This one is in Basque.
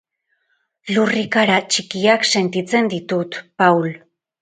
Lurrikara txikiak sentitzen ditut, Paul.